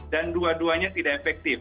dan dua duanya tidak efektif